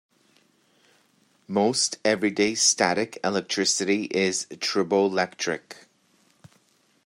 Most everyday static electricity is triboelectric.